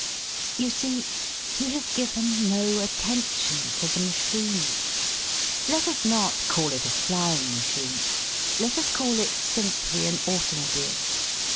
You see, he has given no attention to the machine. Let us not call it a flying machine. Let us call it simply an automobile.